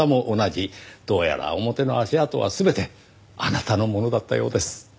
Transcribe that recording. どうやら表の足跡は全てあなたのものだったようです。